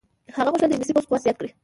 هغه غوښتل د انګلیسي پوځ قوت زیات کړي.